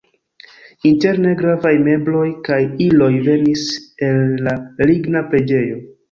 Interne gravaj mebloj kaj iloj venis el la ligna preĝejo.